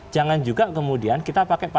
jangan juga kemudian kita pakai